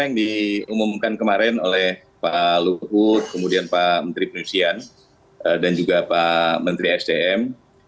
yang diumumkan kemarin oleh pak luhut kemudian pak menteri penyusian dan juga pak menteri sdm